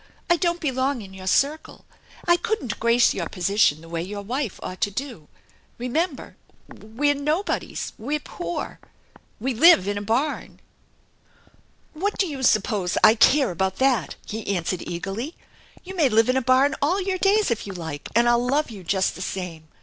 I don't belong in your circle. I couldn't grace your position the way your wife ought to do. Eemember, we're nobodies. We're poor ! We live in a barn! "" What do you suppose I care about that ?" he answered eagerly. " You may live in a barn all your days if you like, and I'll love you just the same.